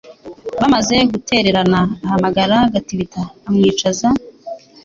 Bamaze guterana ahamagara Gatibita amwicaza